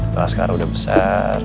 atau askara udah besar